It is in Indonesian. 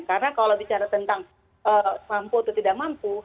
karena kalau bicara tentang mampu atau tidak mampu